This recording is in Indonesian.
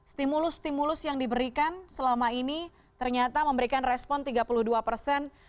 stimulus stimulus yang diberikan selama ini ternyata memberikan respon tiga puluh dua persen